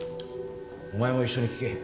お前も一緒に聞け。